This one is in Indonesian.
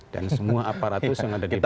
dan semua aparatus yang ada di baliknya